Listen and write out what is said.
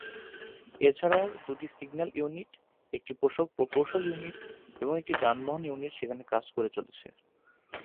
এছাড়াও দুটি signal unit, একটি প্রকৌশল ইউনিট এবং একটি যানবাহন ইউনিট সেখানে কাজ করে চলেছে।